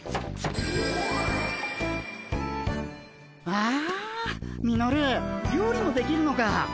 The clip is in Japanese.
わあミノル料理もできるのか。